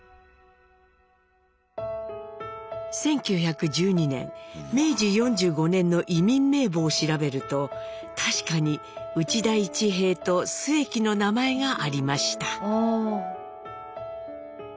１９１２年明治４５年の移民名簿を調べると確かに「内田市平」と「末喜」の名前がありました。